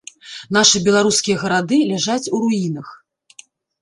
Нашы беларускія гарады ляжаць у руінах.